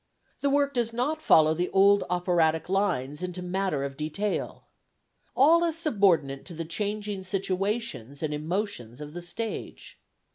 The work does not follow the old operatic lines into matter of detail. All is subordinate to the changing situations and emotions of the stage.